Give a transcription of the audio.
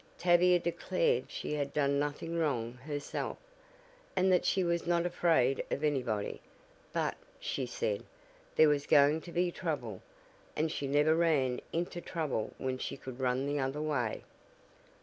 Tavia declared she had done nothing wrong herself, and that she was not afraid of anybody, but, she said, there was going to be trouble, and she never ran into trouble when she could run the other way."